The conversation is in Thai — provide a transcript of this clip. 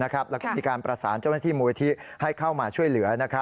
แล้วก็มีการประสานเจ้าหน้าที่มูลที่ให้เข้ามาช่วยเหลือ